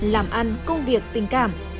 làm ăn công việc tình cảm